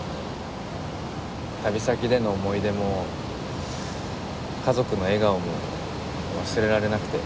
旅先での思い出も家族の笑顔も忘れられなくて。